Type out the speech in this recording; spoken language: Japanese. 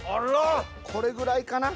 これぐらいかな。